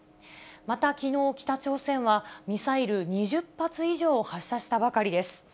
またきのう、北朝鮮は、ミサイル２０発以上を発射したばかりです。